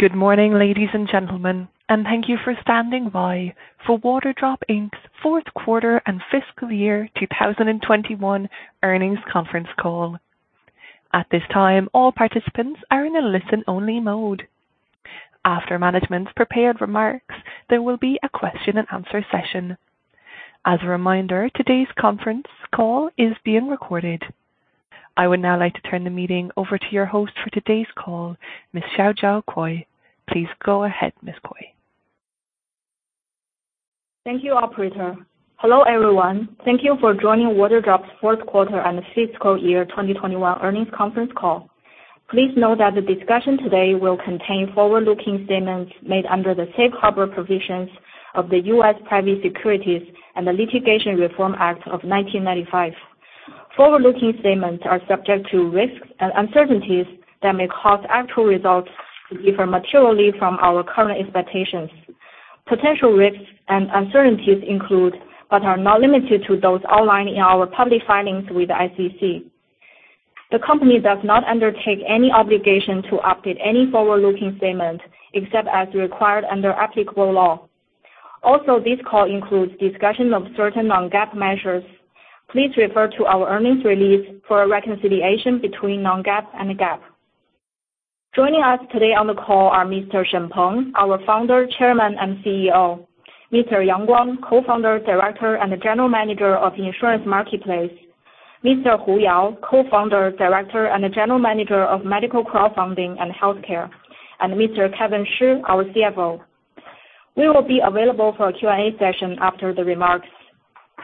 Good morning, ladies and gentlemen, and thank you for standing by for Waterdrop Inc.'s Q4 and fiscal year 2021 earnings conference call. At this time, all participants are in a listen-only mode. After management's prepared remarks, there will be a question-and-answer session. As a reminder, today's conference call is being recorded. I would now like to turn the meeting over to your host for today's call, Miss Xiaojiao Cui. Please go ahead, Ms. Cui. Thank you, operator. Hello, everyone. Thank you for joining Waterdrop's Q4 and fiscal year 2021 earnings conference call. Please note that the discussion today will contain forward-looking statements made under the safe harbor provisions of the Private Securities Litigation Reform Act of 1995. Forward-looking statements are subject to risks and uncertainties that may cause actual results to differ materially from our current expectations. Potential risks and uncertainties include, but are not limited to, those outlined in our public filings with the SEC. The company does not undertake any obligation to update any forward-looking statement except as required under applicable law. Also, this call includes discussions of certain non-GAAP measures. Please refer to our earnings release for a reconciliation between non-GAAP and GAAP. Joining us today on the call are Mr. Shen Peng, our Founder, Chairman, and CEO. Mr. Yang Guang, Co-Founder, Director, and General Manager of the Insurance Marketplace. Mr. Hu Yao, Co-Founder, Director, and General Manager of Medical Crowdfunding and Healthcare. Mr. Kevin Shi, our CFO. We will be available for a Q&A session after the remarks.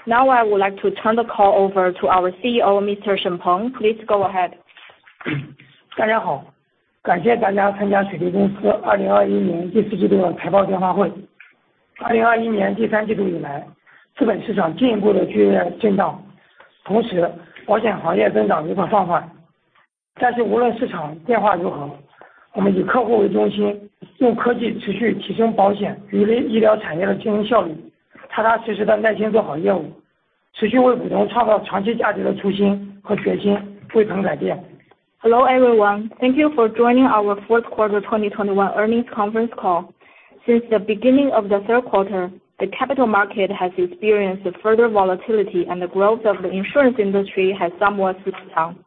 Now I would like to turn the call over to our CEO, Mr. Shen Peng. Please go ahead. Hello, everyone. Thank you for joining our Q4 2021 earnings conference call. Since the beginning of the Q3, the capital market has experienced further volatility, and the growth of the insurance industry has somewhat slowed down.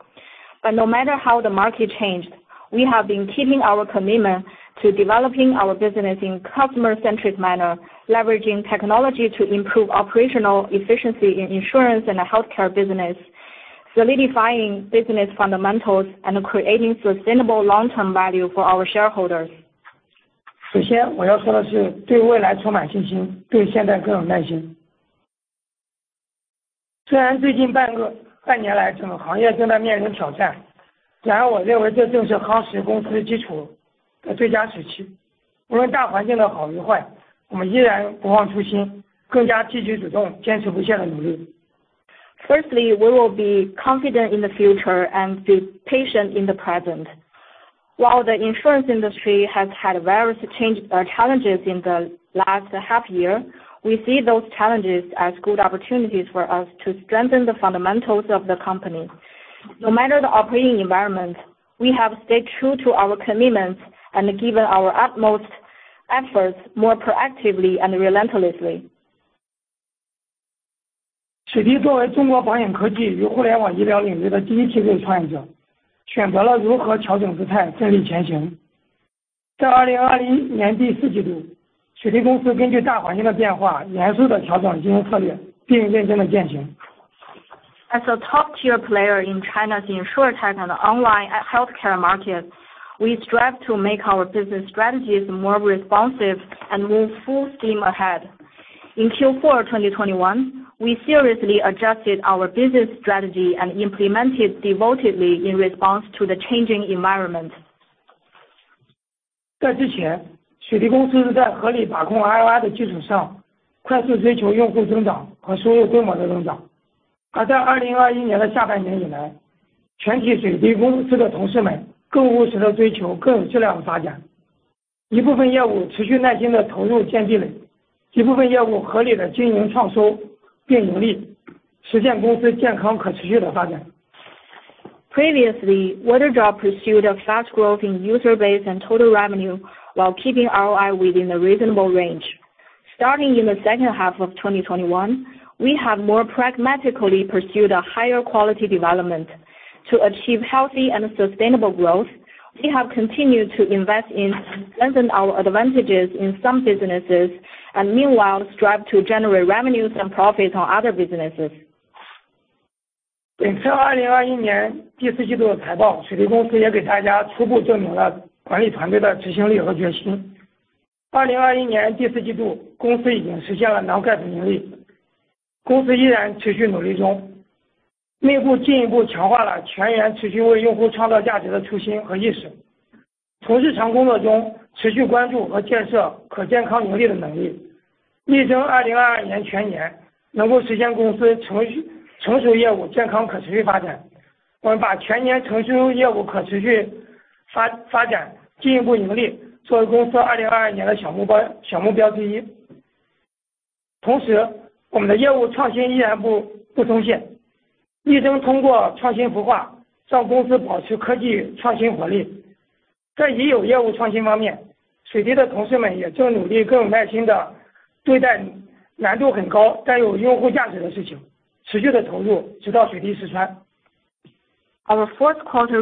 No matter how the market changed, we have been keeping our commitment to developing our business in customer-centric manner, leveraging technology to improve operational efficiency in insurance and healthcare business, solidifying business fundamentals, and creating sustainable long-term value for our shareholders. 首先我要说的是对未来充满信心，对现在更有耐心。虽然最近半年来，整个行业正在面临挑战，然而我认为这正是夯实公司基础的最佳时期。无论大环境的好与坏，我们依然不忘初心，更加积极主动，坚持不懈的努力。Firstly, we will be confident in the future and be patient in the present. While the insurance industry has had various challenges in the last half year, we see those challenges as good opportunities for us to strengthen the fundamentals of the company. No matter the operating environment, we have stayed true to our commitments and given our utmost efforts more proactively and relentlessly. 水滴作为中国保险科技与互联网医疗领域的第一梯队创业者，选择了如何调整姿态，奋力前行。在2020年第四季度，水滴公司根据大环境的变化，严肃地调整经营策略，并认真地践行。As a top-tier player in China's InsurTech and online healthcare market, we strive to make our business strategies more responsive and move full steam ahead. In Q4 2021, we seriously adjusted our business strategy and implement it devotedly in response to the changing environment. 在之前，水滴公司是在合理把控ROI的基础上，快速追求用户增长和收入规模的增长。而在二零二一年的下半年以来，全体水滴公司的同事们更务实地追求更有质量的发展。一部分业务持续耐心地投入建积累，一部分业务合理地经营创收并盈利，实现公司健康可持续的发展。Previously, Waterdrop pursued a fast growth in user base and total revenue while keeping ROI within a reasonable range. Starting in the H2 of 2021, we have more pragmatically pursued a higher quality development. To achieve healthy and sustainable growth, we have continued to invest in strengthening our advantages in some businesses, and meanwhile strive to generate revenues and profits on other businesses. Our Q4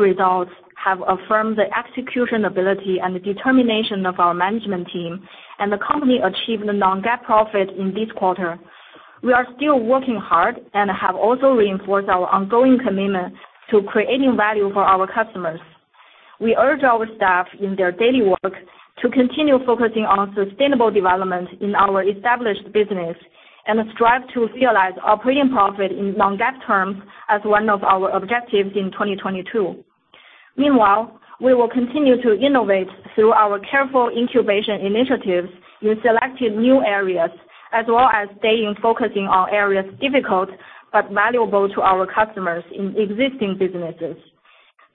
results have affirmed the execution ability and the determination of our management team and the company achieved a non-GAAP profit in this quarter. We are still working hard and have also reinforced our ongoing commitment to creating value for our customers. We urge our staff in their daily work to continue focusing on sustainable development in our established business, and strive to realize operating profit in non-GAAP terms as one of our objectives in 2022. Meanwhile, we will continue to innovate through our careful incubation initiatives in selected new areas as well as staying focused on areas difficult but valuable to our customers in existing businesses.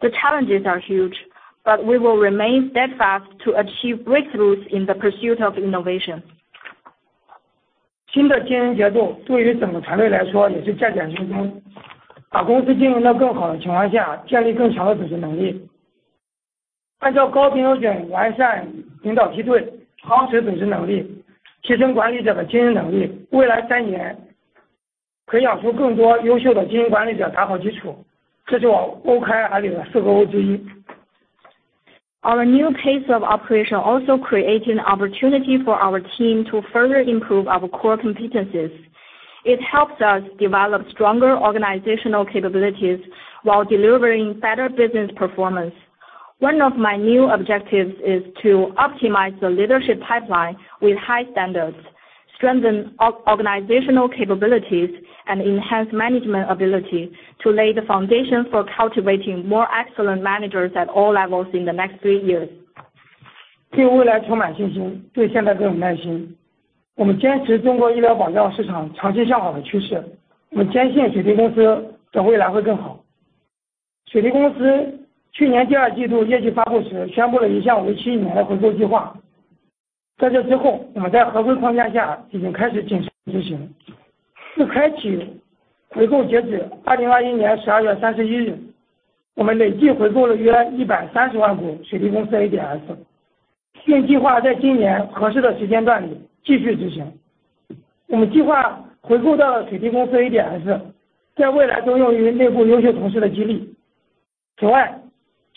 The challenges are huge, but we will remain steadfast to achieve breakthroughs in the pursuit of innovation. 新的经营节奏对于整个团队来说也是驾简充丰。把公司经营得更好的情况下，建立更强的组织能力。按照高标准完善领导梯队，夯实组织能力，提升管理者的经营能力。未来三年培养出更多优秀的经营管理者打好基础。这就是我勾画里的四个O之一。Our new pace of operation also creates an opportunity for our team to further improve our core competencies. It helps us develop stronger organizational capabilities while delivering better business performance. One of my new objectives is to optimize the leadership pipeline with high standards, strengthen organizational capabilities, and enhance management ability to lay the foundation for cultivating more excellent managers at all levels in the next three years.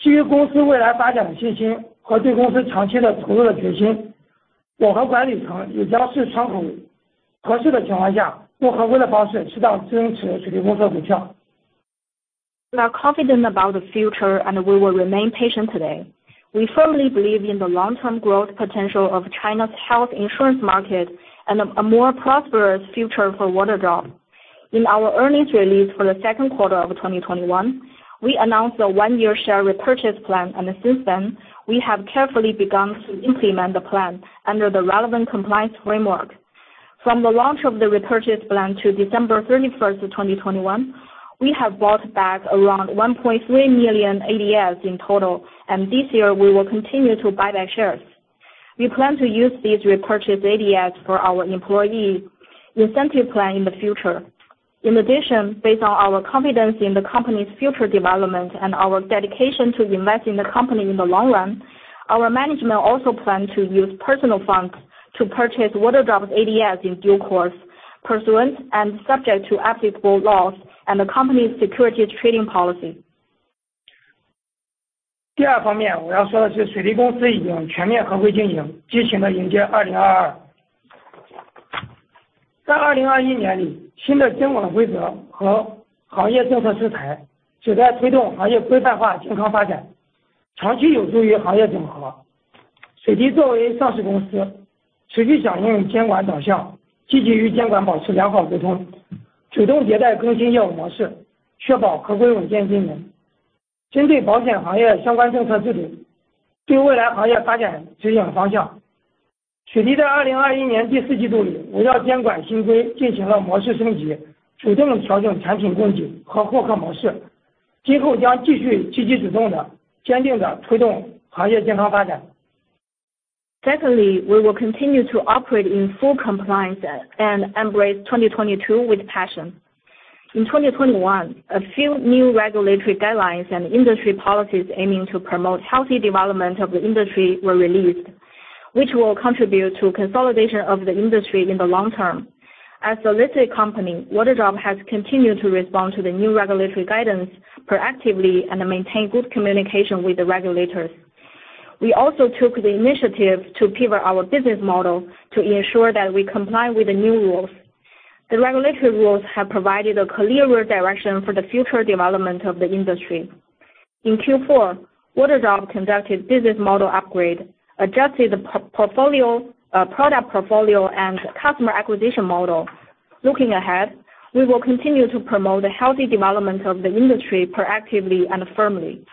We are confident about the future and we will remain patient today. We firmly believe in the long-term growth potential of China's health insurance market and a more prosperous future for Waterdrop. In our earnings release for the Q2 of 2021, we announced a one-year share repurchase plan, and since then, we have carefully begun to implement the plan under the relevant compliance framework. From the launch of the repurchase plan to December 31st, 2021, we have bought back around 1.3 million ADS in total, and this year we will continue to buy back shares. We plan to use these repurchased ADS for our employee incentive plan in the future. In addition, based on our confidence in the company's future development and our dedication to invest in the company in the long run, our management also plan to use personal funds to purchase Waterdrop's ADS in due course, pursuant and subject to applicable laws and the company's securities trading policy. Secondly, we will continue to operate in full compliance and embrace 2022 with passion. In 2021, a few new regulatory guidelines and industry policies aiming to promote healthy development of the industry were released, which will contribute to consolidation of the industry in the long term. As a listed company, Waterdrop has continued to respond to the new regulatory guidance proactively and maintain good communication with the regulators. We also took the initiative to pivot our business model to ensure that we comply with the new rules. The regulatory rules have provided a clearer direction for the future development of the industry. In Q4, Waterdrop conducted business model upgrade, adjusted the product portfolio and customer acquisition model. Looking ahead, we will continue to promote the healthy development of the industry proactively and firmly.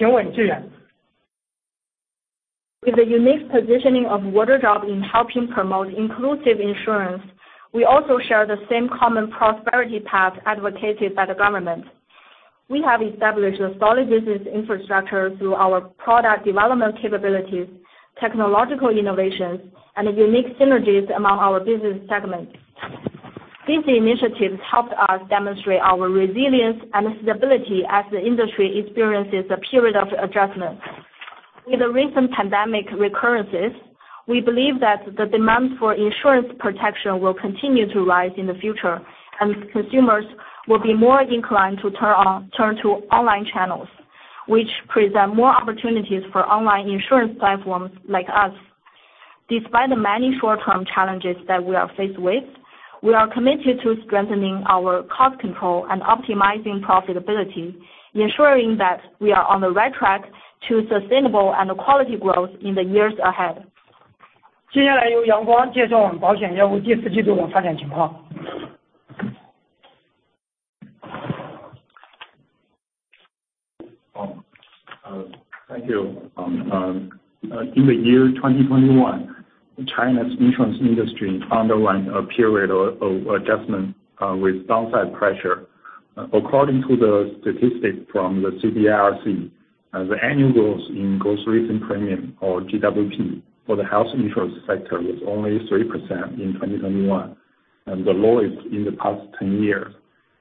With the unique positioning of Waterdrop in helping promote inclusive insurance, we also share the same common prosperity path advocated by the government. We have established a solid business infrastructure through our product development capabilities, technological innovations, and the unique synergies among our business segments. These initiatives helped us demonstrate our resilience and stability as the industry experiences a period of adjustment. With the recent pandemic recurrences, we believe that the demand for insurance protection will continue to rise in the future, and consumers will be more inclined to turn to online channels, which present more opportunities for online insurance platforms like us. Despite the many short-term challenges that we are faced with, we are committed to strengthening our cost control and optimizing profitability, ensuring that we are on the right track to sustainable and quality growth in the years ahead. 接下来由杨光介绍保险业务第四季度发展情况。Thank you. In 2021, China's insurance industry underwent a period of adjustment with downside pressure. According to the statistics from the CBIRC, the annual growth in gross written premium or GWP for the health insurance sector was only 3% in 2021, and the lowest in the past 10 years.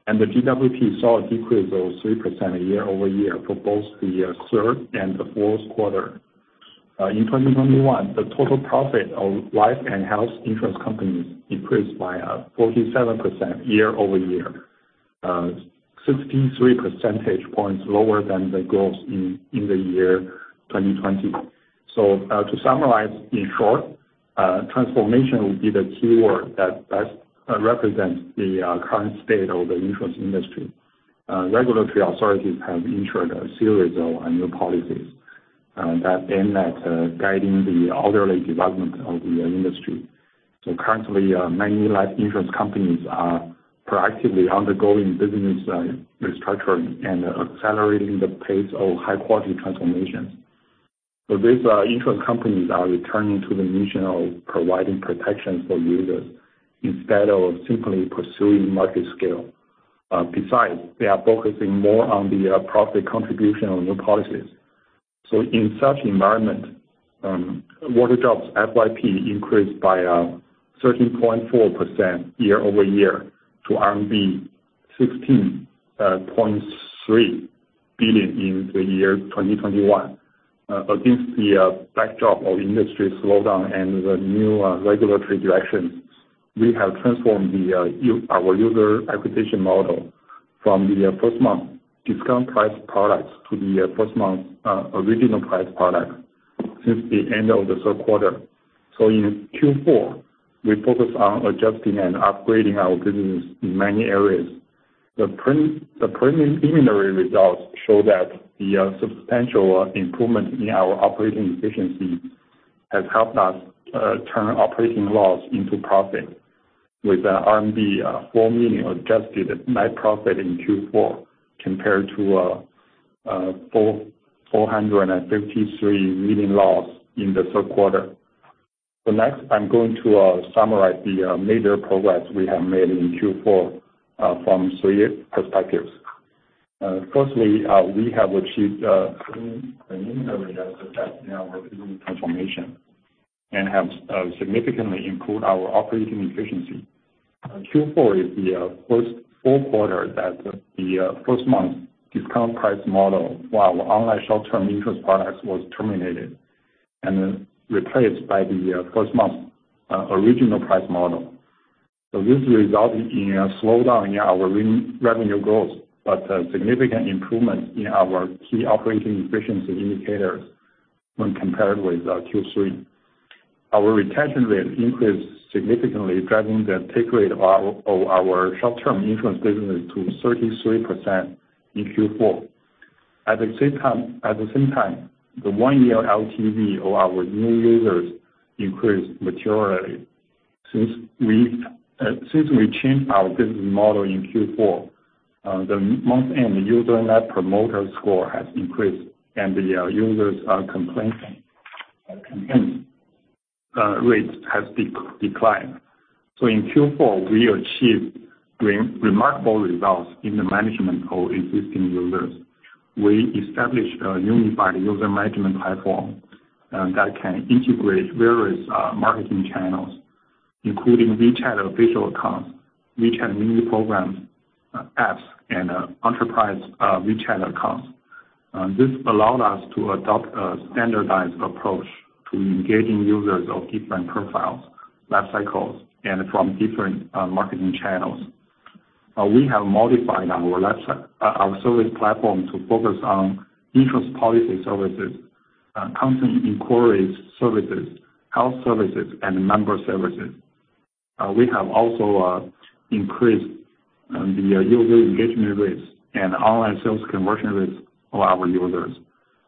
The GWP saw a decrease of 3% year-over-year for both the third and the Q4. In 2021, the total profit of life and health insurance companies increased by 47% year-over-year, 63 percentage points lower than the growth in 2020. To summarize, in short, transformation will be the keyword that represents the current state of the insurance industry. Regulatory authorities have ensured a series of new policies that aim at guiding the orderly development of the industry. Currently, many life insurance companies are proactively undergoing business restructuring and accelerating the pace of high-quality transformation. These insurance companies are returning to the mission of providing protection for users instead of simply pursuing market scale. Besides, they are focusing more on the profit contribution of new policies. In such environment, Waterdrop's FYP increased by 13.4% year-over-year to RMB 16.3 billion in 2021. Against the backdrop of industry slowdown and the new regulatory direction, we have transformed our user acquisition model from the first month discount price products to the first month original price product since the end of the Q3. In Q4, we focus on adjusting and upgrading our business in many areas. The preliminary results show that the substantial improvement in our operating efficiency has helped us turn operating loss into profit with 4 million RMB adjusted net profit in Q4 compared to 453 million loss in the Q3. Next, I'm going to summarize the major progress we have made in Q4 from three perspectives. Firstly, we have achieved preliminary success in our business transformation and have significantly improved our operating efficiency. Q4 is the first full quarter that the first month discount price model for online short-term insurance products was terminated and replaced by the first month original price model. This resulted in a slowdown in our revenue growth, but a significant improvement in our key operating efficiency indicators when compared with Q3. Our retention rate increased significantly, driving the take rate of our short-term insurance business to 33% in Q4. At the same time, the one-year LTV of our new users increased materially. Since we changed our business model in Q4, the month-end user net promoter score has increased and the user complaint rate has declined. In Q4, we achieved remarkable results in the management of existing users. We established a unified user management platform that can integrate various marketing channels, including WeChat official accounts, WeChat mini programs, apps, and enterprise WeChat accounts. This allowed us to adopt a standardized approach to engaging users of different profiles, life cycles, and from different marketing channels. We have modified our website, our service platform to focus on insurance policy services, customer inquiry services, health services, and member services. We have also increased the user engagement rates and online sales conversion rates for our users.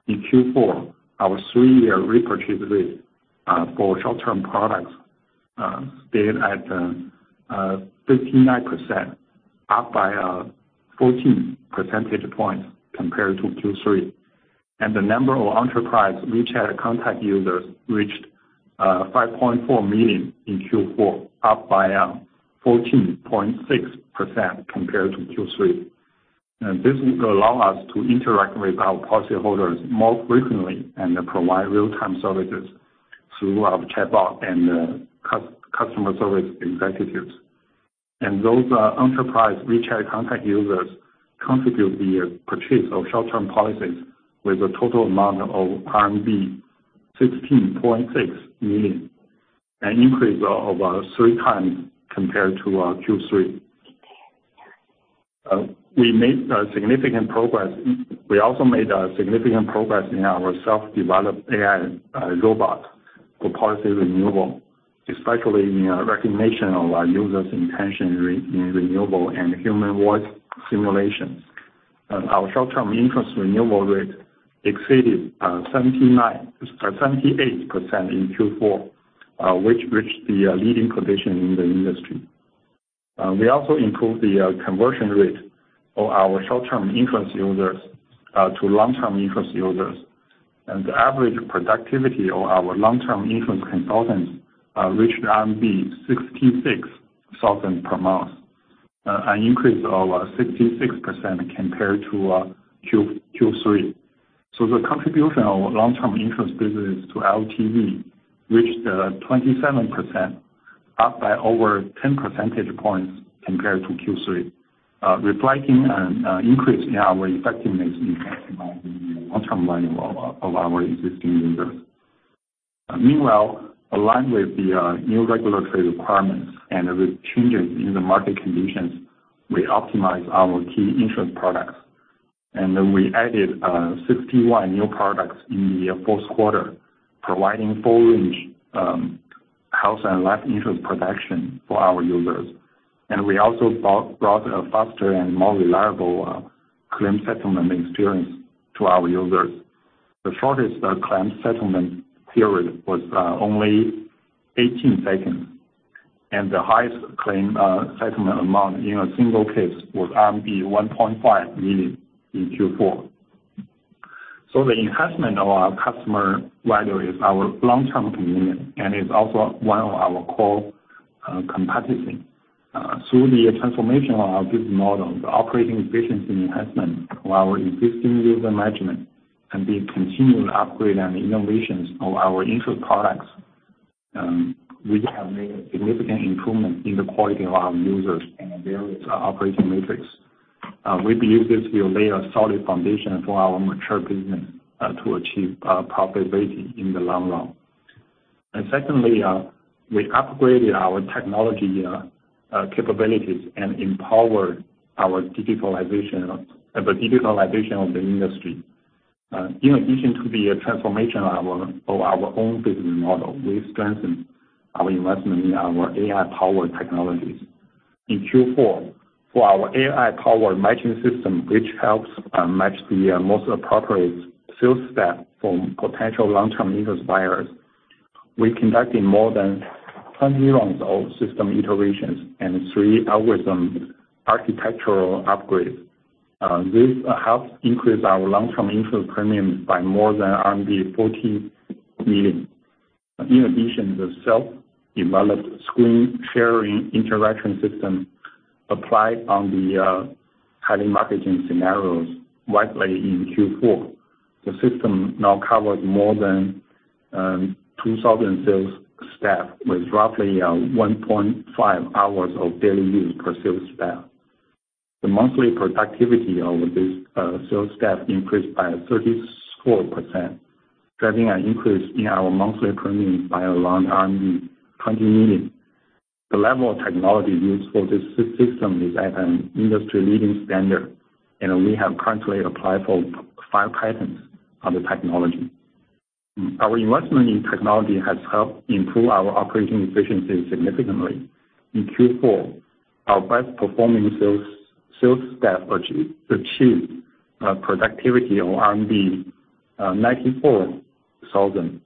In Q4, our three-year repurchase rate for short-term products stayed at 59%, up by 14 percentage points compared to Q3. The number of enterprise WeChat contact users reached 5.4 million in Q4, up by 14.6% compared to Q3. This will allow us to interact with our policy holders more frequently and provide real-time services through our chatbot and customer service executives. Those enterprise WeChat contact users contribute the purchase of short-term policies with a total amount of RMB 16.6 million, an increase of 3x compared to Q3. We also made significant progress in our self-developed AI robot for policy renewal, especially in recognition of our users intention in renewal and human voice simulations. Our short-term insurance renewable rate exceeded 78% in Q4, which reached the leading position in the industry. We also improved the conversion rate for our short-term insurance users to long-term insurance users. The average productivity of our long-term insurance consultants reached RMB 66,000 per month, an increase of 66% compared to Q3. The contribution of long-term insurance business to LTV reached 27%, up by over 10 percentage points compared to Q3, reflecting an increase in our effectiveness in maximizing the long-term value of our existing users. Meanwhile, along with the new regulatory requirements and the changes in the market conditions, we optimize our key insurance products. We added 61 new products in the Q4, providing full range health and life insurance protection for our users. We also brought a faster and more reliable claim settlement experience to our users. The shortest claim settlement period was only 18 seconds, and the highest claim settlement amount in a single case was RMB 1.5 million in Q4. The enhancement of our customer value is our long-term commitment, and it's also one of our core competency. Through the transformation of our business model, the operating efficiency enhancement of our existing user management, and the continued upgrade and innovations of our insurance products, we have made a significant improvement in the quality of our users and various operating metrics. We believe this will lay a solid foundation for our mature business to achieve profitability in the long run. Secondly, we upgraded our technology capabilities and empowered our digitalization of the industry. In addition to the transformation of our own business model, we strengthened our investment in our AI-powered technologies. In Q4, for our AI-powered matching system, which helps match the most appropriate sales staff for potential long-term insurance buyers, we conducted more than 10 rounds of system iterations and three algorithm architectural upgrades. This helps increase our long-term insurance premiums by more than RMB 40 million. In addition, the self-developed screen sharing interaction system applied on the telemarketing scenarios widely in Q4. The system now covers more than 2,000 sales staff, with roughly 1.5 hours of daily use per sales staff. The monthly productivity of this sales staff increased by 34%, driving an increase in our monthly premiums by around 20 million. The level of technology used for this system is at an industry-leading standard, and we have currently applied for five patents on the technology. Our investment in technology has helped improve our operating efficiency significantly. In Q4, our best performing sales staff achieved a productivity of RMB 94,000.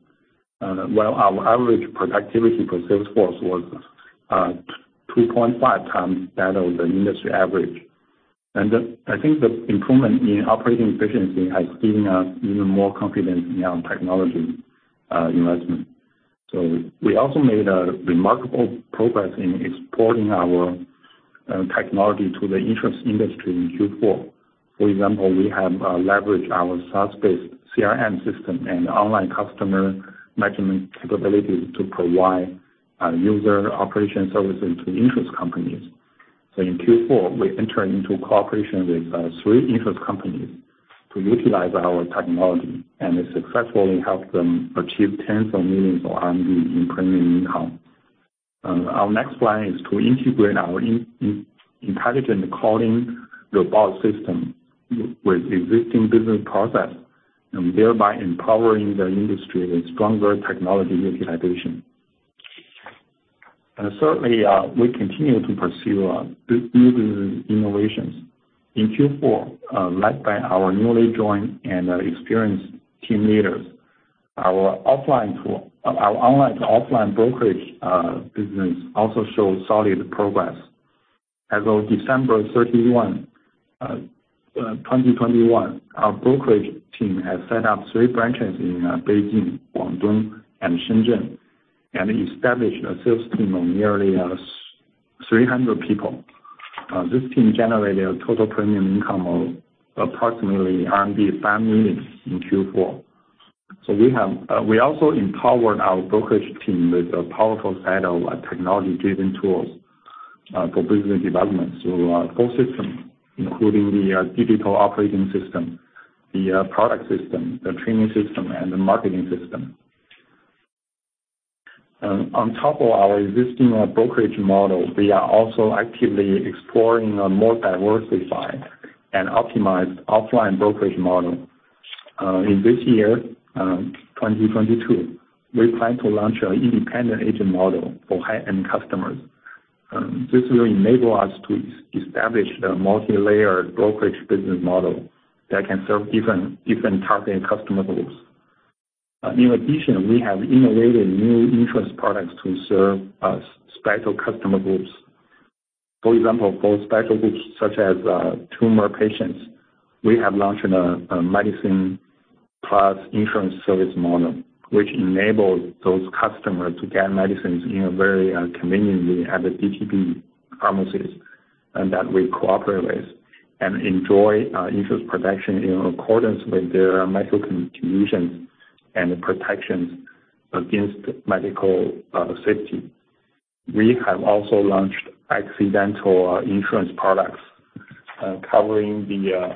While our average productivity per sales force was 2.5x that of the industry average. I think the improvement in operating efficiency has given us even more confidence in our technology investment. We also made a remarkable progress in exporting our technology to the insurance industry in Q4. For example, we have leveraged our SaaS-based CRM system and online customer management capabilities to provide user operation services to insurance companies. In Q4, we entered into a cooperation with three insurance companies to utilize our technology and successfully help them achieve tens of millions RMB in premium income. Our next plan is to integrate our intelligent calling robot system with existing business process, and thereby empowering the industry with stronger technology utilization. Certainly, we continue to pursue new business innovations. In Q4, led by our newly joined and experienced team leaders, our online to offline brokerage business also showed solid progress. As of December 31, 2021, our brokerage team has set up three branches in Beijing, Guangdong, and Shenzhen and established a sales team of nearly 300 people. This team generated a total premium income of approximately RMB 5 million in Q4. We also empowered our brokerage team with a powerful set of technology-driven tools for business development through our core system, including the digital operating system, the product system, the training system, and the marketing system. On top of our existing brokerage model, we are also actively exploring a more diversified and optimized offline brokerage model. In this year, 2022, we plan to launch an independent agent model for high-end customers. This will enable us to establish the multilayer brokerage business model that can serve different target customer groups. In addition, we have innovated new insurance products to serve special customer groups. For example, for special groups such as tumor patients, we have launched a medicine plus insurance service model, which enables those customers to get medicines very conveniently at the DTP pharmacies that we cooperate with and enjoy insurance protection in accordance with their medical condition and the protections against medical safety. We have also launched accidental insurance products covering the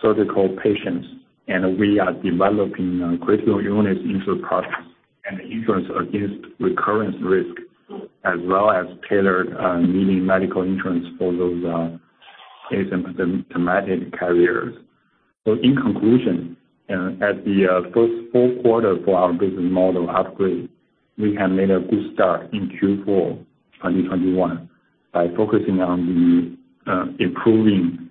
surgical patients, and we are developing critical illness insurance products and insurance against recurrence risk, as well as tailored meaning medical insurance for those asymptomatic carriers. In conclusion, at the first full quarter for our business model upgrade, we have made a good start in Q4 2021 by focusing on improving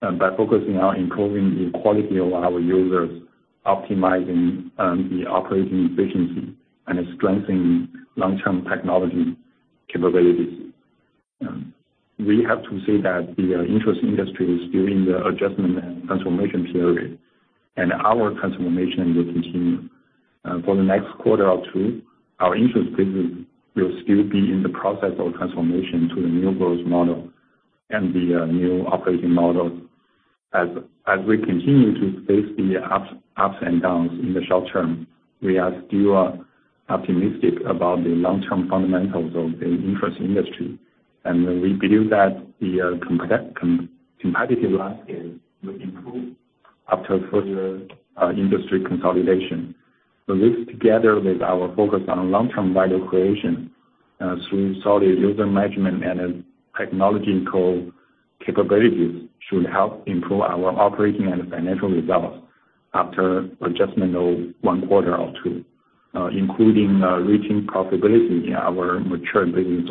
the quality of our users, optimizing the operating efficiency, and strengthening long-term technology capabilities. We have to say that the insurance industry is during the adjustment and transformation period, and our transformation will continue. For the next quarter or two, our insurance business will still be in the process of transformation to the new growth model and the new operating model. As we continue to face the ups and downs in the short term, we are still optimistic about the long-term fundamentals of the insurance industry. We believe that the competitive landscape will improve after further industry consolidation. This, together with our focus on long-term value creation, through solid user management and a technology core capabilities, should help improve our operating and financial results after adjustment of one quarter or two, including reaching profitability in our mature business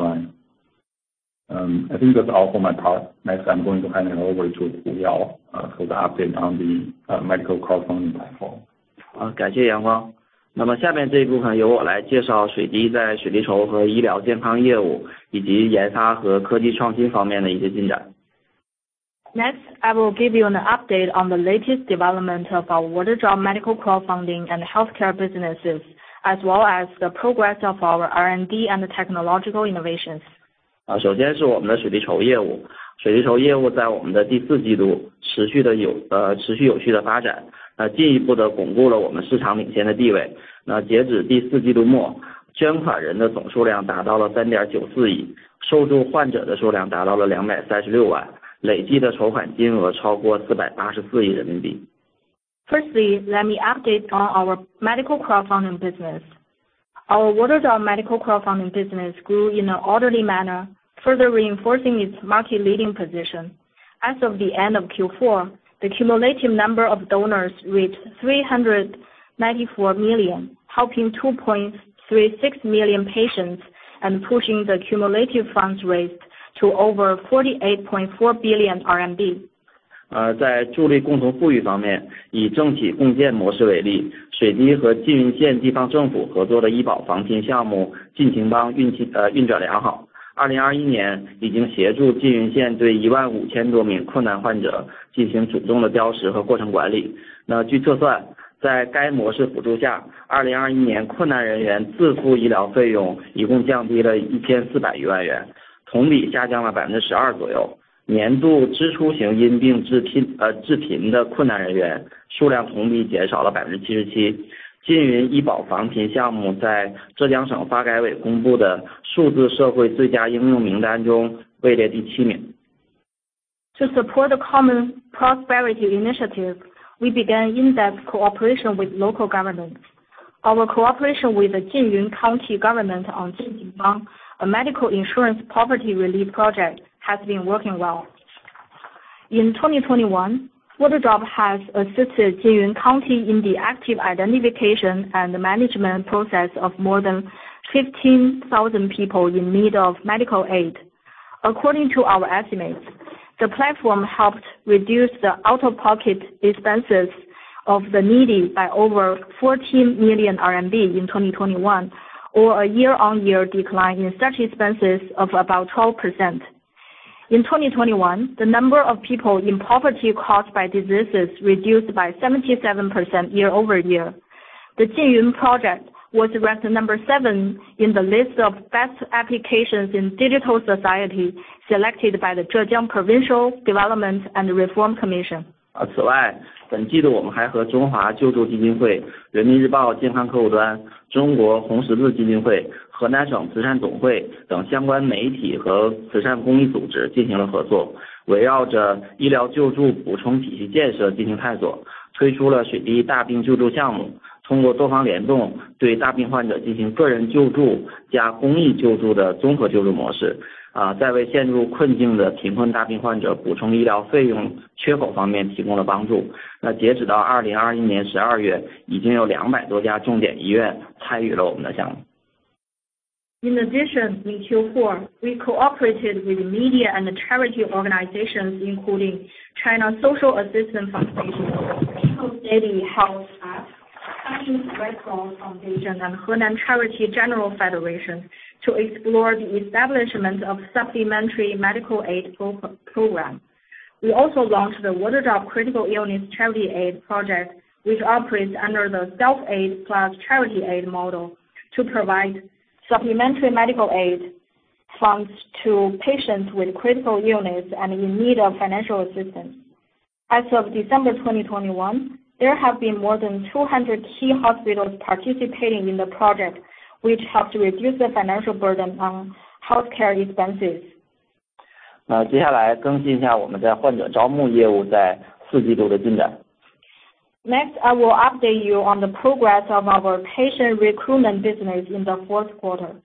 line. I think that's all for my part. Next, I'm going to hand it over to Hu Yao for the update on the medical crowdfunding platform. Next, I will give you an update on the latest development of our Waterdrop Medical Crowdfunding and Healthcare businesses, as well as the progress of our R&D and technological innovations. 缙云医保扶贫项目在浙江省发改委公布的数字社会最佳应用名单中位列第七名。Firstly, let me update on our medical crowdfunding business. Our Waterdrop Medical Crowdfunding business grew in an orderly manner, further reinforcing its market-leading position. As of the end of Q4, the cumulative number of donors reached 394 million, helping 2.36 million patients and pushing the cumulative funds raised to over 48.4 billion RMB. To support the Common Prosperity Initiative, we began in-depth cooperation with local government. Our cooperation with the Jinyun County government on Jinyun, a medical insurance poverty relief project, has been working well. In 2021, Waterdrop has assisted Jinyun County in the active identification and management process of more than 15,000 people in need of medical aid. According to our estimates, the platform helped reduce the out-of-pocket expenses of the needy by over 14 million RMB in 2021, or a year-on-year decline in such expenses of about 12%. In 2021, the number of people in poverty caused by diseases reduced by 77% year-over-year. The Jinyun Project was ranked number seven in the list of Best Applications in Digital Society, selected by the Zhejiang Provincial Development and Reform Commission. In addition, in Q4, we cooperated with media and charity organizations including China Social Assistance Foundation, People's Daily Health App, Chinese Red Cross Foundation, and Henan Charity General Federation to explore the establishment of supplementary medical aid program. We also launched the Waterdrop Critical Illness Charity Aid Project, which operates under the self-aid plus charity aid model to provide supplementary medical aid funds to patients with critical illness and in need of financial assistance. As of December 2021, there have been more than 200 key hospitals participating in the project, which helped reduce the financial burden on healthcare expenses. 那接下来更新一下我们在患者招募业务在四季度的进展。Next, I will update you on the progress of our patient recruitment business in the Q4.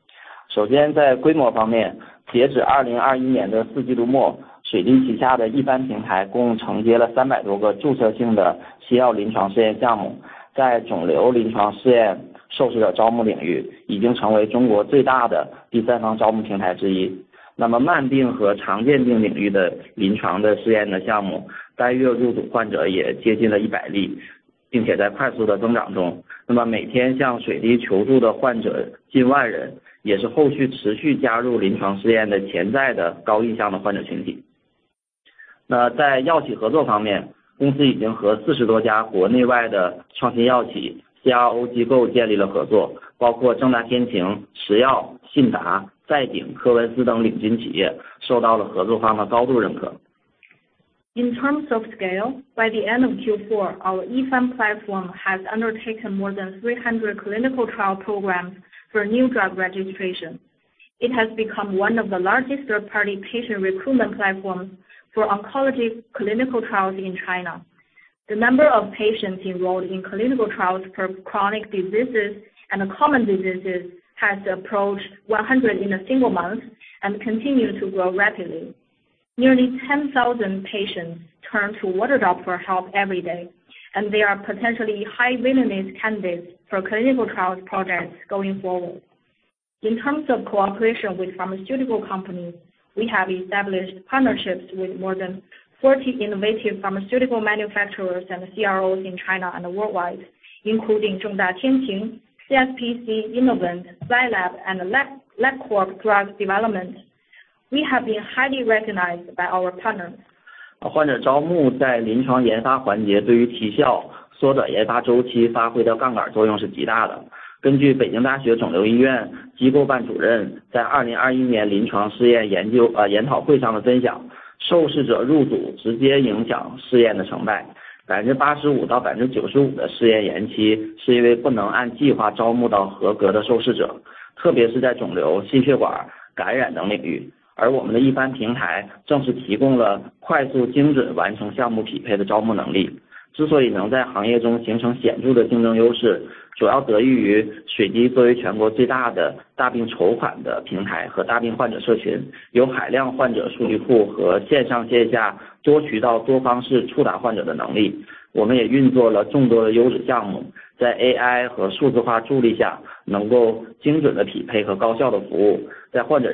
In terms of scale, by the end of Q4, our Yifan platform has undertaken more than 300 clinical trial programs for new drug registration. It has become one of the largest third party patient recruitment platforms for oncology clinical trials in China. The number of patients enrolled in clinical trials for chronic diseases and common diseases has approached 100 in a single month and continue to grow rapidly. Nearly 10,000 patients turn to Waterdrop for help every day, and they are potentially high-value candidates for clinical trials projects going forward. In terms of cooperation with pharmaceutical companies, we have established partnerships with more than 40 innovative pharmaceutical manufacturers and CROs in China and worldwide, including 正大天晴, CSPC, Innovent, Zai Lab and Labcorp Drug Development. We have been highly recognized by our partners. Patient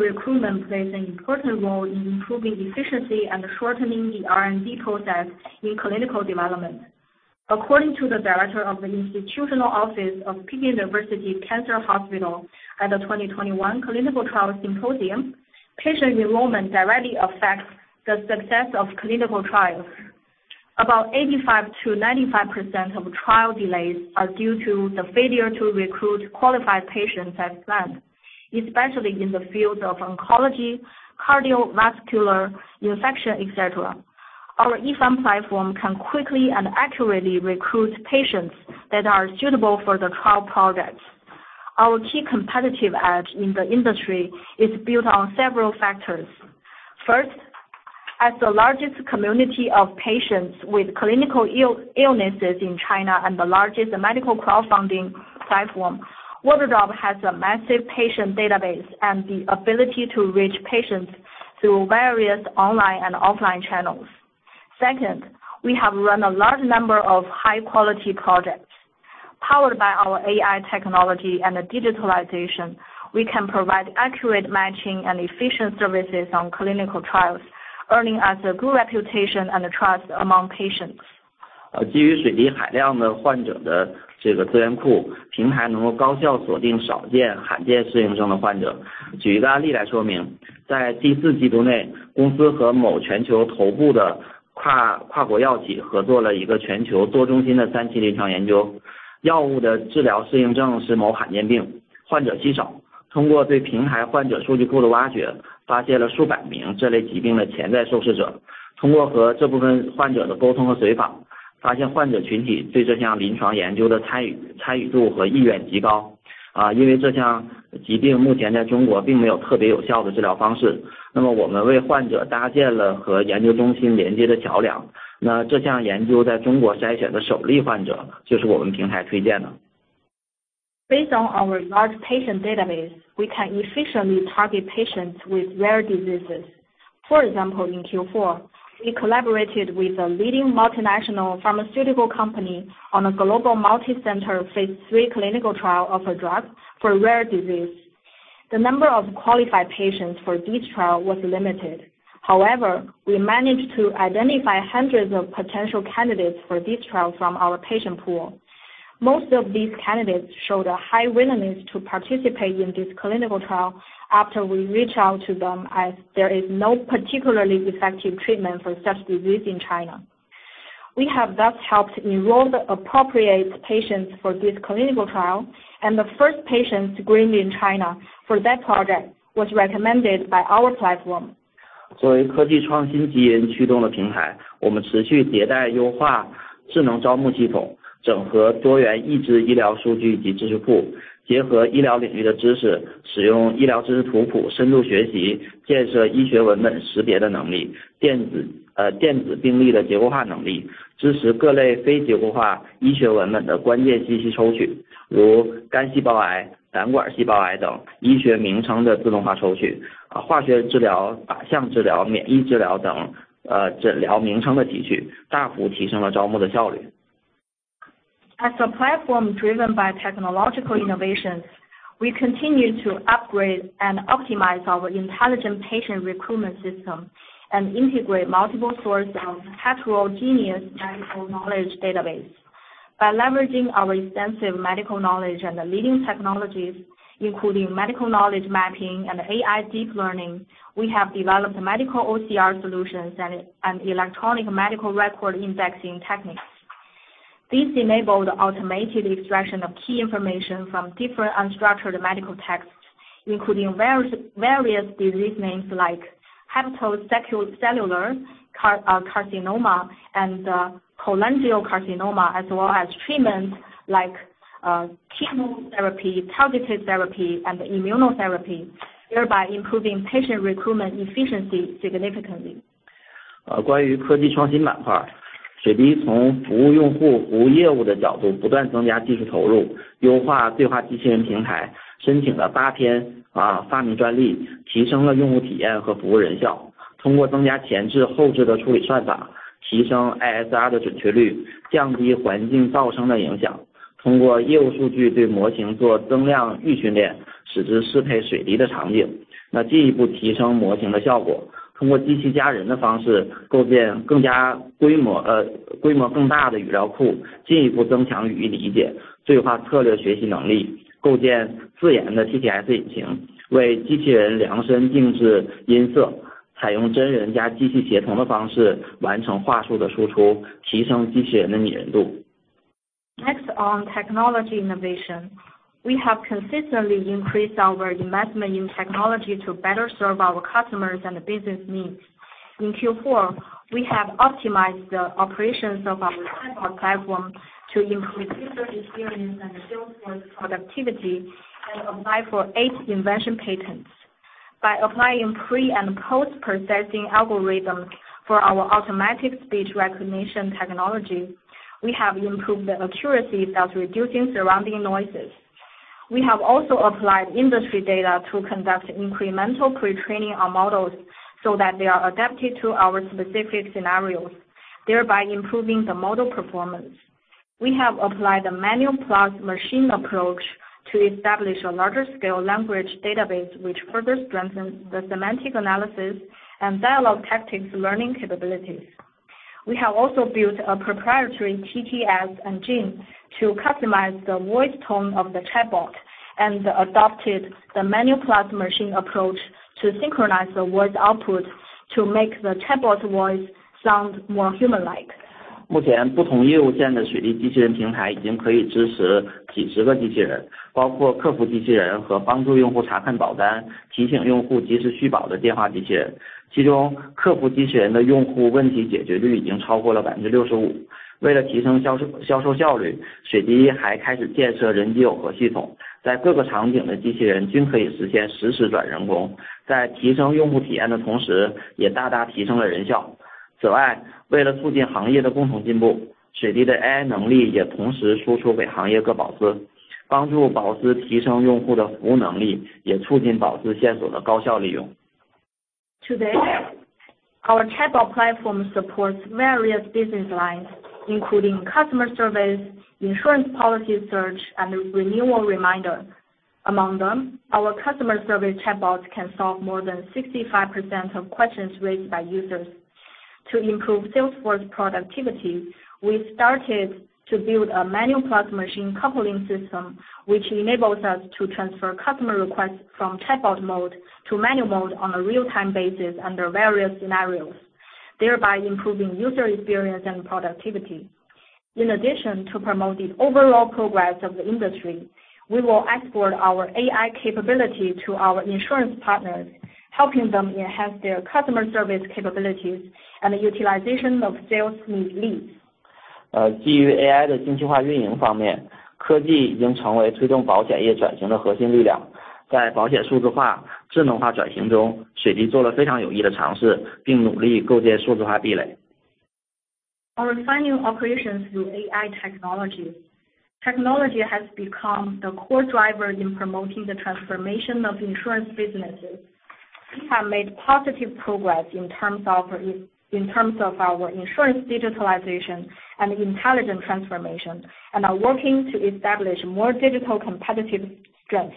recruitment plays an important role in improving efficiency and shortening the R&D process in clinical development. According to the director of the Institutional Office of Peking University Cancer Hospital at the 2021 Clinical Trial Symposium, patient enrollment directly affects the success of clinical trials. About 85%-95% of trial delays are due to the failure to recruit qualified patients as planned. Especially in the field of oncology, cardiovascular, infection, etc. Our e-pharma platform can quickly and accurately recruit patients that are suitable for the trial products. Our key competitive edge in the industry is built on several factors. First, as the largest community of patients with clinical illnesses in China and the largest medical crowdfunding platform, Waterdrop has a massive patient database and the ability to reach patients through various online and offline channels. Second, we have run a large number of high quality projects. Powered by our AI technology and the digitalization, we can provide accurate matching and efficient services on clinical trials, earning us a good reputation and trust among patients. Based on our large patient database, we can efficiently target patients with rare diseases. For example, in Q4, we collaborated with a leading multinational pharmaceutical company on a global multicenter phase III clinical trial of a drug for rare disease. The number of qualified patients for this trial was limited. However, we managed to identify hundreds of potential candidates for this trial from our patient pool. Most of these candidates showed a high willingness to participate in this clinical trial after we reach out to them as there is no particularly effective treatment for such disease in China. We have thus helped enroll the appropriate patients for this clinical trial, and the first patients screened in China for that project was recommended by our platform. As a platform driven by technological innovations, we continue to upgrade and optimize our intelligent patient recruitment system and integrate multiple sources of heterogeneous medical knowledge database. By leveraging our extensive medical knowledge and the leading technologies, including medical knowledge mapping and AI deep learning, we have developed medical OCR solutions and electronic medical record indexing techniques. This enabled automated extraction of key information from different unstructured medical texts, including various disease names like hepatocellular carcinoma and cholangiocarcinoma, as well as treatments like chemotherapy, targeted therapy, and immunotherapy, thereby improving patient recruitment efficiency significantly. Next on technology innovation. We have consistently increased our investment in technology to better serve our customers and the business needs. In Q4, we have optimized the operations of our chatbot platform to improve user experience and the workforce productivity, and apply for eight invention patents. By applying pre and post-processing algorithms for our automatic speech recognition technology, we have improved the accuracy by reducing surrounding noises. We have also applied industry data to conduct incremental pre-training our models so that they are adapted to our specific scenarios, thereby improving the model performance. We have applied a manual plus machine approach to establish a larger scale language database which further strengthens the semantic analysis and dialogue tactics learning capabilities. We have also built a proprietary TTS engine to customize the voice tone of the chatbot and adopted the manual plus machine approach to synchronize the voice output to make the chatbot voice sound more human-like. 目前不同业务线的水滴机器人平台已经可以支持几十个机器人，包括客服机器人和帮助用户查看保单、提醒用户及时续保的电话机器人。其中客服机器人的用户问题解决率已经超过了65%。为了提升销售效率，水滴还开始建设人机融合系统，在各个场景的机器人均可以实现实时转人工，在提升用户体验的同时，也大大提升了人效。此外，为了促进行业的共同进步，水滴的AI能力也同时输出给行业各保司，帮助保司提升用户的服务能力，也促进保司线索的高效利用。Today, our chatbot platform supports various business lines, including customer service, insurance policy search, and renewal reminder. Among them, our customer service chatbots can solve more than 65% of questions raised by users. To improve sales force productivity, we started to build a manual plus machine coupling system, which enables us to transfer customer requests from chatbot mode to manual mode on a real time basis under various scenarios, thereby improving user experience and productivity. In addition, to promote the overall progress of the industry, we will export our AI capability to our insurance partners, helping them enhance their customer service capabilities and the utilization of sales leads. 基于AI的精细化运营方面，科技已经成为推动保险业转型的核心力量。在保险数字化智能化转型中，水滴做了非常有益的尝试，并努力构建数字化壁垒。Our redefining operations through AI technology. Technology has become the core driver in promoting the transformation of insurance businesses. We have made positive progress in terms of our insurance digitalization and intelligent transformation, and are working to establish more digital competitive strengths.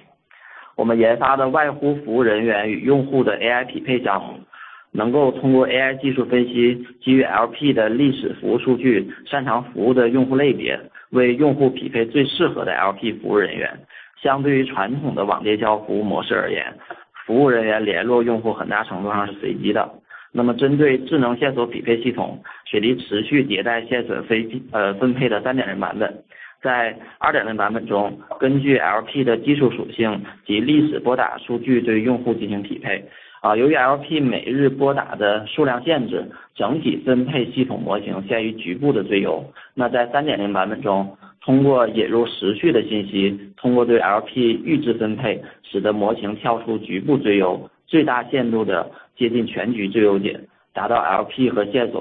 Our proprietary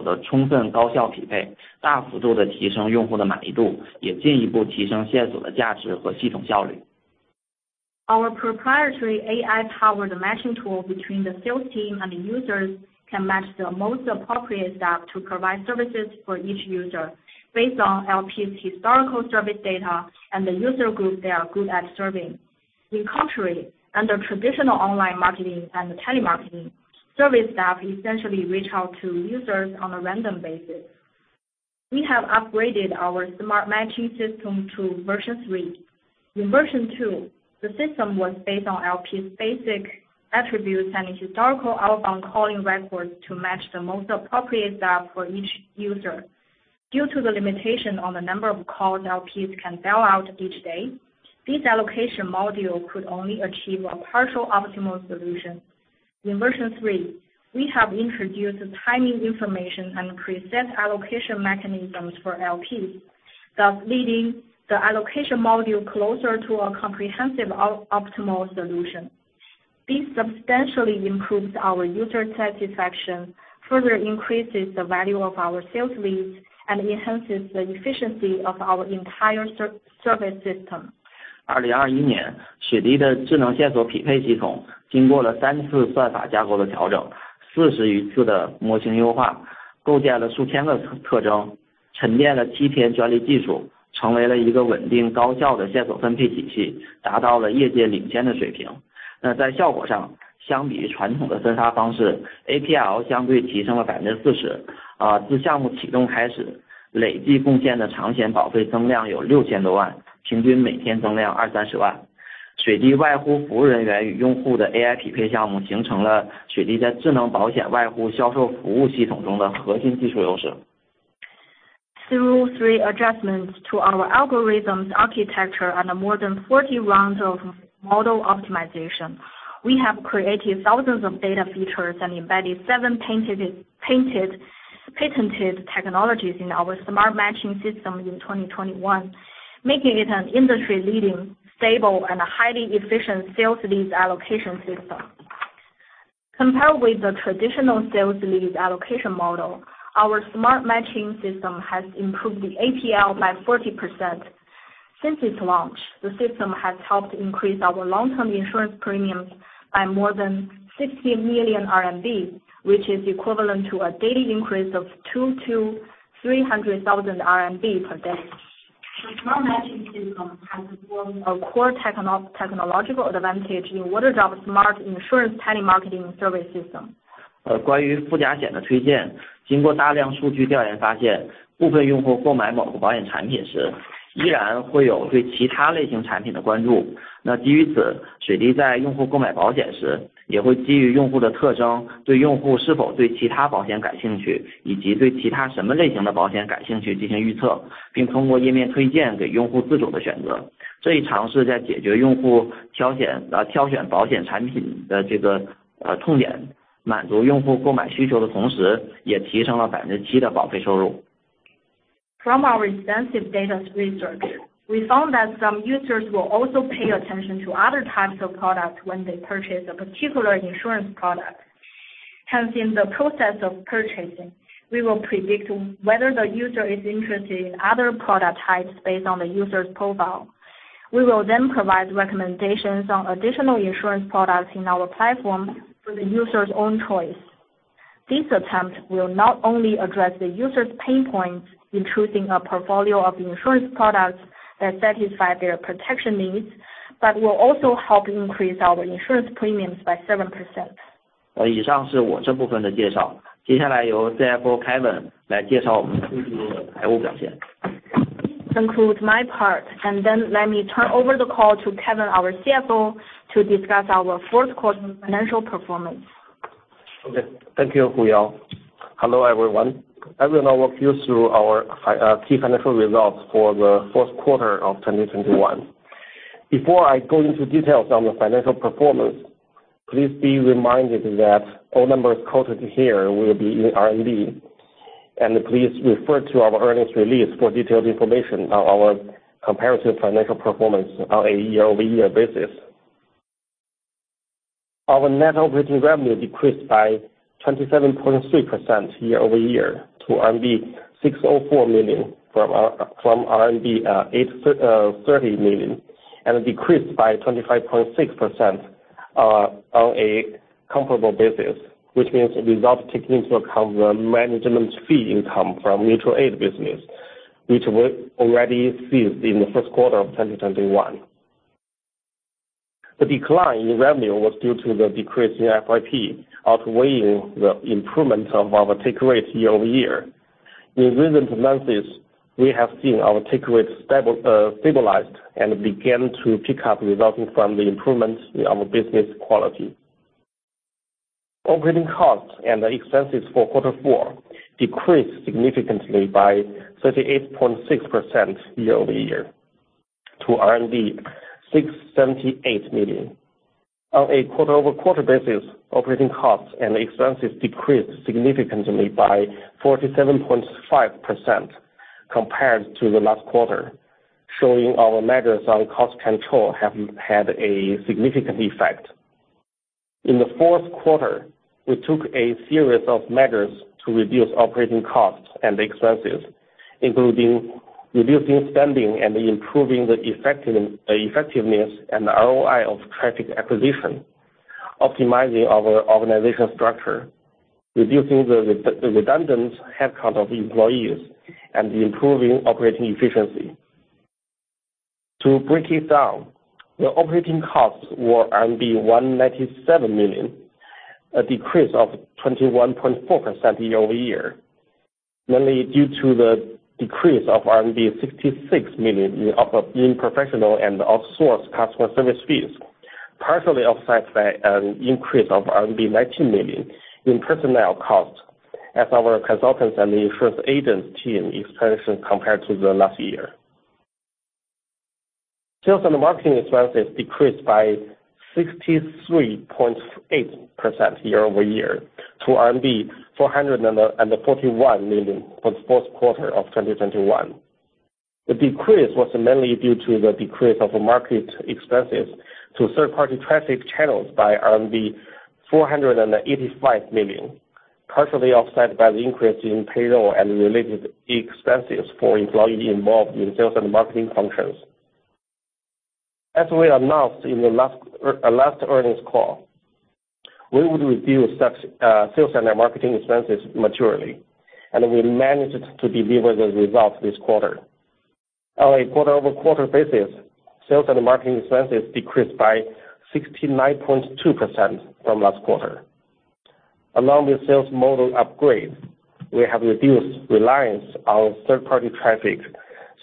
AI-powered matching tool between the sales team and the users can match the most appropriate staff to provide services for each user based on LPs' historical service data and the user group they are good at serving. In contrast, under traditional online marketing and telemarketing, service staff essentially reach out to users on a random basis. We have upgraded our smart matching system to version three. In version two, the system was based on LPs' basic attributes and historical outbound calling records to match the most appropriate staff for each user. Due to the limitation on the number of calls LPs can dial out each day, this allocation module could only achieve a partial optimal solution. In version three, we have introduced timing information and preset allocation mechanisms for LPs, thus leading the allocation module closer to a comprehensive optimal solution. This substantially improves our user satisfaction, further increases the value of our sales leads, and enhances the efficiency of our entire service system. Through three adjustments to our algorithms architecture and more than 40 rounds of model optimization, we have created thousands of data features and embedded seven patented technologies in our smart matching system in 2021, making it an industry-leading, stable and highly efficient sales leads allocation system. Compared with the traditional sales leads allocation model, our smart matching system has improved the APL by 40%. Since its launch, the system has helped increase our long-term insurance premiums by more than 60 million RMB, which is equivalent to a daily increase of 200,000 RMB-300,000 RMB per day. The smart matching system has formed a core technological advantage in Waterdrop smart insurance telemarketing service system. 关于附加险的推荐，经过大量数据调研发现，部分用户购买某个保险产品时依然会有对其他类型产品的关注。基于此，水滴在用户购买保险时，也会基于用户的特征，对用户是否对其他保险感兴趣，以及对其他什么类型的保险感兴趣进行预测，并通过页面推荐给用户自主地选择。这一尝试在解决用户挑选保险产品的痛点、满足用户购买需求的同时，也提升了7%的保费收入。From our extensive data research, we found that some users will also pay attention to other types of products when they purchase a particular insurance product. Hence, in the process of purchasing, we will predict whether the user is interested in other product types based on the user's profile. We will then provide recommendations on additional insurance products in our platform for the user's own choice. This attempt will not only address the user's pain points in choosing a portfolio of insurance products that satisfy their protection needs, but will also help increase our insurance premiums by 7%. 以上是我这部分的介绍。接下来由CFO Kevin来介绍我们的财务表现。This concludes my part, and then let me turn over the call to Kevin, our CFO, to discuss our Q4 financial performance. Okay, thank you, Hu Yao. Hello, everyone. I will now walk you through our key financial results for the Q4 of 2021. Before I go into details on the financial performance, please be reminded that all numbers quoted here will be in RMB. Please refer to our earnings release for detailed information on our comparative financial performance on a year-over-year basis. Our net operating revenue decreased by 27.3% year-over-year to RMB 604 million from RMB 830 million, and decreased by 25.6% on a comparable basis, which means without taking into account the management fee income from mutual aid business, which we already ceased in the Q1 of 2021. The decline in revenue was due to the decrease in FYP outweighing the improvement of our take rate year-over-year. In recent months, we have seen our take rate stabilized and began to pick up resulting from the improvements in our business quality. Operating costs and expenses for Q4 decreased significantly by 38.6% year-over-year to 678 million. On a quarter-over-quarter basis, operating costs and expenses decreased significantly by 47.5% compared to the last quarter, showing our measures on cost control have had a significant effect. In the Q4, we took a series of measures to reduce operating costs and expenses, including reducing spending and improving the effectiveness and ROI of traffic acquisition, optimizing our organizational structure, reducing the redundant headcount of employees, and improving operating efficiency. To break it down, the operating costs were RMB 197 million, a decrease of 21.4% year-over-year, mainly due to the decrease of RMB 66 million in professional and outsourced customer service fees, partially offset by an increase of RMB 19 million in personnel costs as our consultants and the insurance agent team expansion compared to the last year. Sales and marketing expenses decreased by 63.8% year-over-year to RMB 441 million for the Q4 of 2021. The decrease was mainly due to the decrease of market expenses to third-party traffic channels by RMB 485 million, partially offset by the increase in payroll and related expenses for employees involved in sales and marketing functions. As we announced in the last earnings call, we would review such sales and marketing expenses maturely, and we managed to deliver the results this quarter. On a quarter-over-quarter basis, sales and marketing expenses decreased by 69.2% from last quarter. Along with sales model upgrade, we have reduced reliance on third-party traffic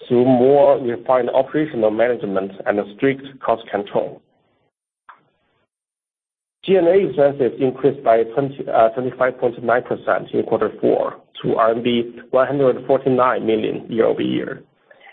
through more refined operational management and strict cost control. G&A expenses increased by 25.9% in quarter four to RMB 149 million year-over-year,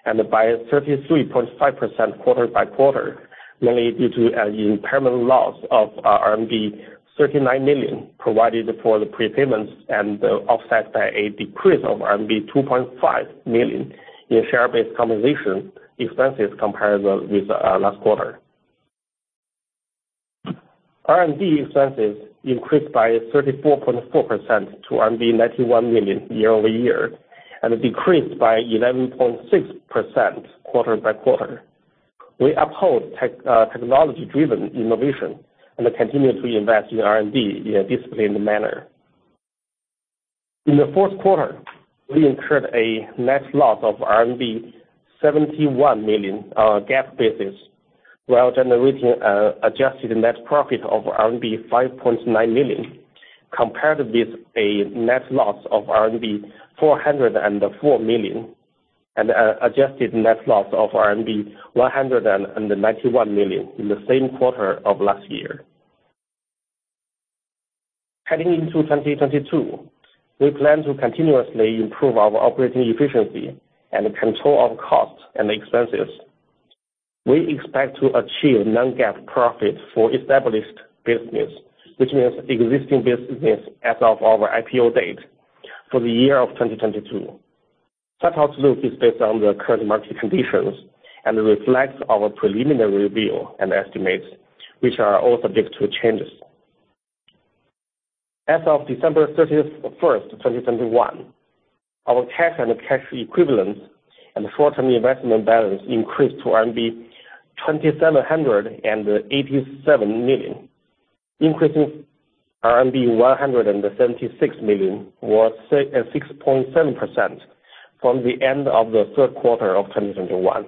and by 33.5% quarter-by-quarter, mainly due to an impairment loss of RMB 39 million provided for the prepayments and offset by a decrease of RMB 2.5 million in share-based compensation expenses comparable with last quarter. R&D expenses increased by 34.4% to RMB 91 million year-over-year, and decreased by 11.6% quarter-by-quarter. We uphold technology-driven innovation and continue to invest in R&D in a disciplined manner. In the Q4, we incurred a net loss of RMB 71 million, GAAP basis, while generating adjusted net profit of RMB 5.9 million, compared with a net loss of RMB 404 million and adjusted net loss of RMB 191 million in the same quarter of last year. Heading into 2022, we plan to continuously improve our operating efficiency and control our costs and expenses. We expect to achieve non-GAAP profit for established business, which means existing business as of our IPO date for the year of 2022. Such outlook is based on the current market conditions and reflects our preliminary review and estimates, which are all subject to changes. As of December 31, 2021, our cash and cash equivalents and short-term investment balance increased to RMB 2,787 million, increasing RMB 176 million, or 6.7% from the end of the Q3 of 2021,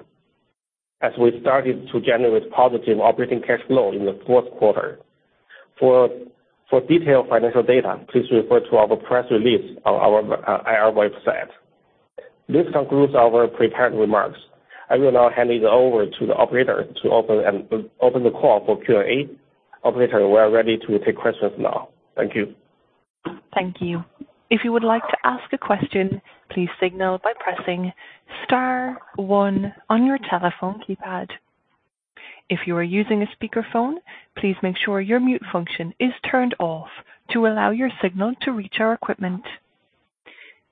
as we started to generate positive operating cash flow in the Q4. For detailed financial data, please refer to our press release on our IR website. This concludes our prepared remarks. I will now hand it over to the operator to open the call for Q&A. Operator, we are ready to take questions now. Thank you. Thank you. If you would like to ask a question, please signal by pressing star one on your telephone keypad. If you are using a speakerphone, please make sure your mute function is turned off to allow your signal to reach our equipment.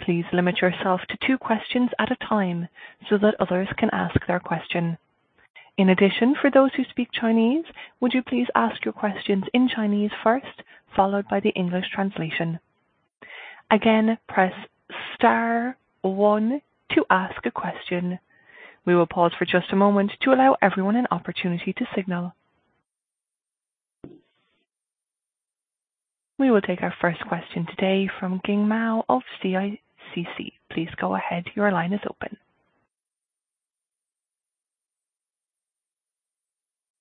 Please limit yourself to two questions at a time so that others can ask their question. In addition, for those who speak Chinese, would you please ask your questions in Chinese first, followed by the English translation. Again, press star one to ask a question. We will pause for just a moment to allow everyone an opportunity to signal. We will take our first question today from [inaudible] Mao of CICC. Please go ahead. Your Line is open.